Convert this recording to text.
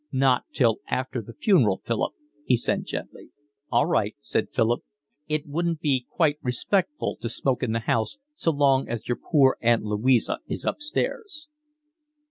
"Not till after the funeral, Philip," he said gently. "All right," said Philip. "It wouldn't be quite respectful to smoke in the house so long as your poor Aunt Louisa is upstairs."